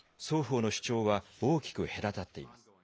双方の主張は、大きく隔たっています。